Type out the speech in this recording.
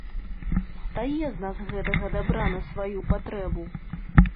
Стае з нас гэтага дабра на сваю патрэбу.